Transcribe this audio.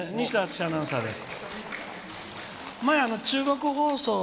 西田篤史アナウンサーです。